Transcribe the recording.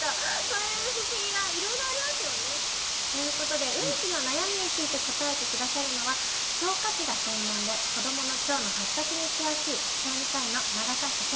そういう不思議がいろいろありますよね。ということでウンチの悩みについて答えて下さるのは消化器が専門で子どもの腸の発達に詳しいそして